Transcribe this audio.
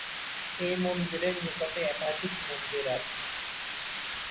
এই মন্দিরের নিকটে একাধিক মন্দির আছে।